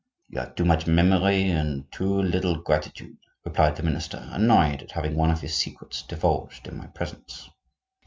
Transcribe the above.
'" "You have too much memory, and too little gratitude," replied the minister, annoyed at having one of his secrets divulged in my presence.